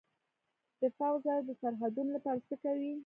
دفاع وزارت د سرحدونو لپاره څه کوي؟